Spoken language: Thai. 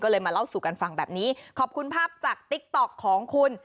ก็เลยมาเล่าสู่กันฟังแบบนี้ขอบคุณภาพจากติ๊กต๊อกของคุณ